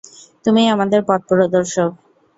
তুমিই আমাদের পথপ্রদর্শক।